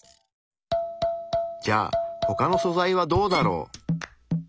じゃあ他の素材はどうだろう？